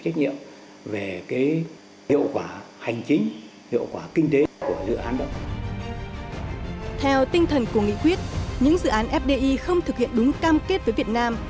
theo tinh thần của nghị quyết những dự án fdi không thực hiện đúng cam kết với việt nam